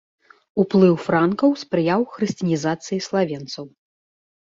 Уплыў франкаў спрыяў хрысціянізацыі славенцаў.